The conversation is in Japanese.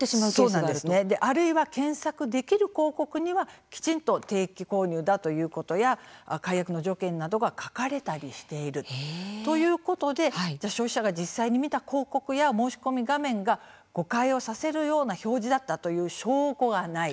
あるいは検索できる広告にはきちんと定期購入ということや解約の条件などが書かれたりしているということで消費者が実際に見た広告や申し込み画面が誤解をさせるような表示だったという証拠がない。